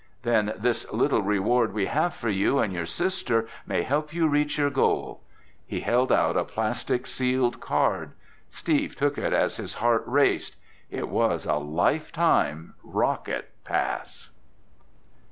"Then this little reward we have for you and your sister may help you reach your goal." He held out a plastic sealed card. Steve took it as his heart raced. It was a lifetime rocket pass!